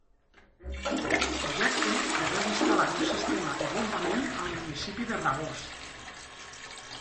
El Projecte preveu instal·lar un sistema de bombament al municipi de Rabós.